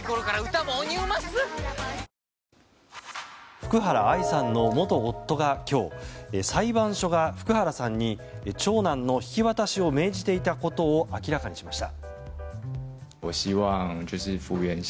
福原愛さんの元夫が今日裁判所が福原さんに長男の引き渡しを命じていたことを明らかにしました。